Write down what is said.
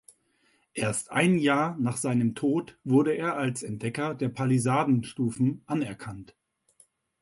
Erst ein Jahr nach seinem Tod wurde er als Entdecker der Palisaden-Stufen anerkannt.